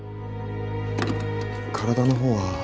体の方は。